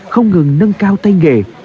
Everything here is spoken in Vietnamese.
không ngừng nâng cao tay nghề